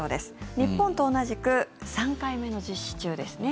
日本と同じく３回目の実施中ですね。